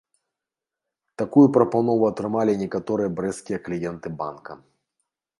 Такую прапанову атрымалі некаторыя брэсцкія кліенты банка.